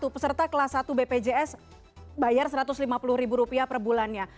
peserta kelas satu bpjs bayar rp satu ratus lima puluh per bulannya